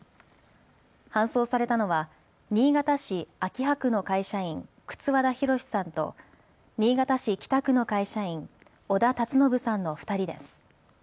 搬送されたのは新潟市秋葉区の会社員、轡田浩さんと新潟市北区の会社員、小田辰信さんの２人です。